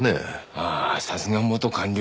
ああさすが元官僚。